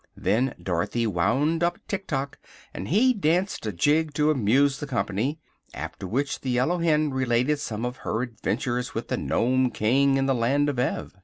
Then Dorothy wound up Tik tok and he danced a jig to amuse the company, after which the Yellow Hen related some of her adventures with the Nome King in the Land of Ev.